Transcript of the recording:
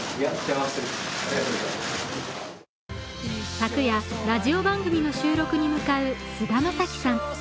昨夜、ラジオ番組の収録に向かう菅田将暉さん。